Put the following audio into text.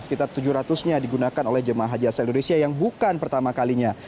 sekitar tujuh ratus nya digunakan oleh jemaah haji asal indonesia yang bukan pertama kalinya